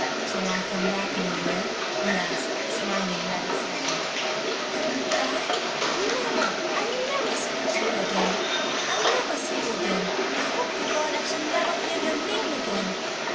"Shall I come back in a year?" he asked, smiling rather sadly. "Come back? Never! I'll never speak to you again. I'll never see you again. I hope to God I shall never hear your name again.